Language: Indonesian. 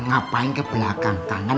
ngapain ke belakang tangan